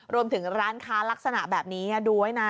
รวมถึงร้านค้าลักษณะแบบนี้ดูไว้นะ